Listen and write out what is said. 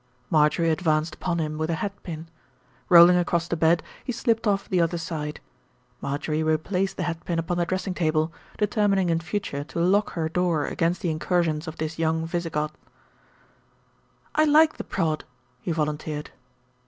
Marjorie advanced upon him with a hatpin. Rolling across the bed, he slipped off the other side. Marjorie replaced the hatpin upon the dressing table, determining in future to lock her door against the in cursions of this young Visigoth. "I like the prod," he volunteered.